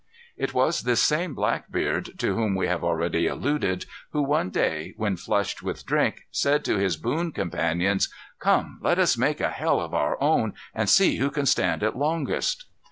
It was this same Blackbeard, to whom we have already alluded, who one day, when flushed with drink, said to his boon companions: "Come, let us make a hell of our own, and see who can stand it longest."